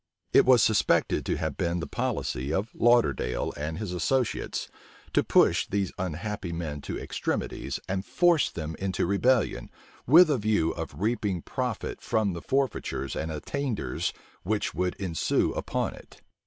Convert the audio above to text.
It was suspected to have been the policy of Lauderdale and his associates to push these unhappy men to extremities, and force them into rebellion, with a view of reaping profit from the forfeitures and attainders which would ensue upon it.